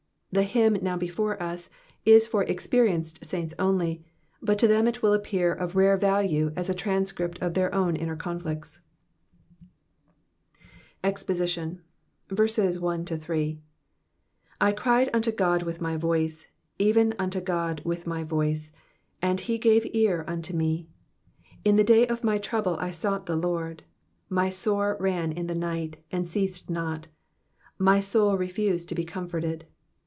The hymn now before us is for experienced saints only, but to them it wiU be of rare value as a transcript of their own inner corflicts, EXPOSITION. 1 CRIED unto God with my voice, even unto God with my voice ; and he gave ear unto me. 2 In the day of my trouble I sought the Lord : my sore ran in the night, and ceased not : my .soul refused to be comforted.